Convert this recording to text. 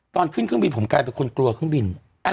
ตอนขึ้นเครื่องบินผมกลายเป็นคนกลัวเครื่องบิน